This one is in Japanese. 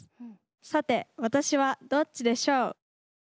さて私はどっちでしょう？